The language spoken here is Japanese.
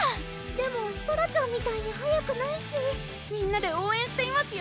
でもソラちゃんみたいに速くないしみんなで応援していますよ！